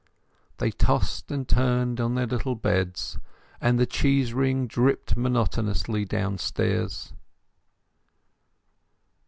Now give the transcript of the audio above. They tossed and turned on their little beds, and the cheese wring dripped monotonously downstairs.